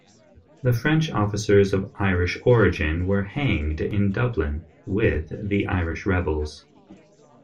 The French officers of Irish origin were hanged in Dublin with the Irish rebels.